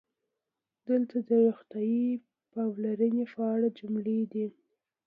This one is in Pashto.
دلته د "روغتیايي پاملرنې" په اړه جملې دي: